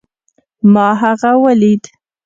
ما هغه وليد